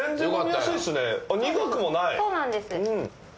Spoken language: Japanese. そうなんです。